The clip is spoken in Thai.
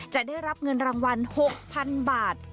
จะได้รับเงินรางวัล๖๐๐๐บาท